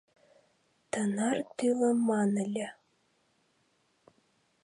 Тынар тӱлыман ыле.